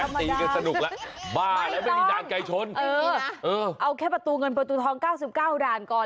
เออนี่ธรรมดาไม่ต้องเออเออเอาแค่ประตูเงินประตูทอง๙๙ด่านก่อน